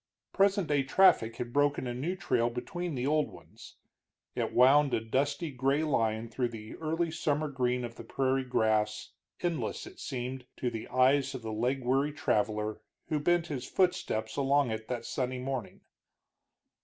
Present day traffic had broken a new trail between the old ones; it wound a dusty gray line through the early summer green of the prairie grass, endless, it seemed, to the eyes of the leg weary traveler who bent his footsteps along it that sunny morning.